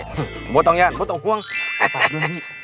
หมดต้องยานหมดต้องกว้างครับผมโอ้โฮไม่ต้องยานไม่ต้องกว้าง